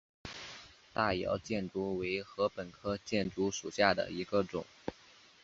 大姚箭竹为禾本科箭竹属下的一个种。